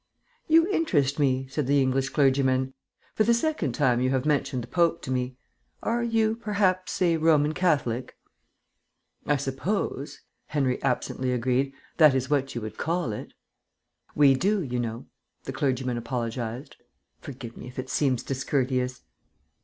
"You interest me," said the English clergyman. "For the second time you have mentioned the Pope to me. Are you, perhaps, a Roman Catholic?" "I suppose," Henry absently agreed, "that is what you would call it." "We do, you know," the clergyman apologised. "Forgive me if it seems discourteous....